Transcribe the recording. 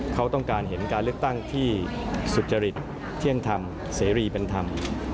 เขาต้องการเห็นการเลือกตั้งที่สุจริตเที่ยงธรรมเสรีเป็นธรรม